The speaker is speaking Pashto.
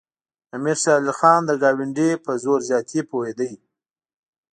امیر شېر علي خان د ګاونډي په زور زیاتي پوهېده.